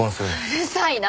うるさいな！